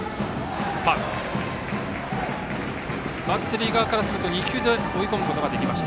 バッテリーからすると２球で追い込むことができました。